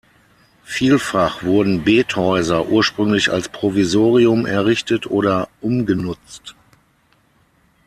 Vielfach wurden Bethäuser ursprünglich als Provisorium errichtet oder umgenutzt.